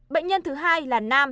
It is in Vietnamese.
bệnh nhân thứ hai là nam